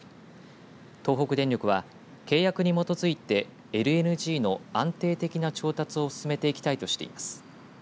東北電力は契約に基づいてＬＮＧの安定的な調達を進めていきたいとしています。